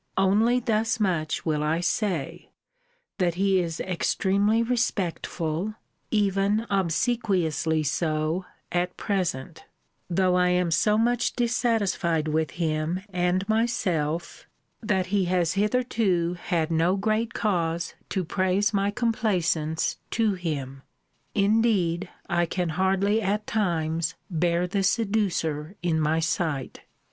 Only thus much will I say, that he is extremely respectful (even obsequiously so) at present, though I am so much dissatisfied with him and myself that he has hitherto had no great cause to praise my complaisance to him. Indeed, I can hardly, at times, bear the seducer in my sight.